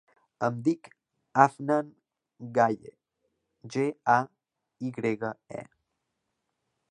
Em dic Afnan Gaye: ge, a, i grega, e.